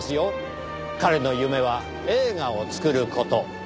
彼の夢は映画を作る事。